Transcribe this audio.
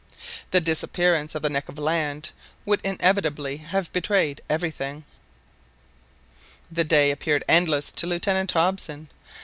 The disappearance of the neck of land would inevitably have betrayed everything. The day appeared endless to Lieutenant Hobson.